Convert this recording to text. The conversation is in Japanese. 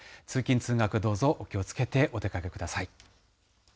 通勤・通学、どうぞお気をつけてお出かけください。